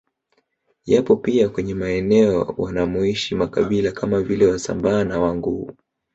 Yapo pia kwenye maeneo wanamoishi makabila kama vile Wasambaa na Wanguu